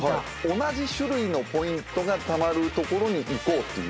同じ種類のポイントがたまる所に行こうっていう。